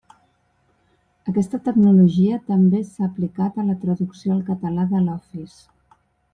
Aquesta tecnologia també s'ha aplicat a la traducció al català de l'Office.